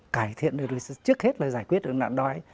cải thiện được trước hết là giải quyết được nạn đói